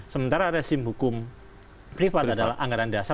sementara resim hukum privat adalah anggaran dasar